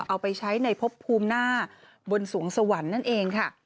เอาไปใช้ในพบภูมิหน้าบนสวงสวรรค์นั่นเองค่ะ